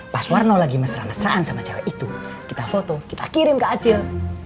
pas warno lagi mesra mesraan sama cewek itu kita foto kita kirim ke acil